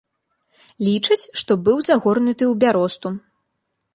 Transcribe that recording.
Лічаць, што быў загорнуты ў бяросту.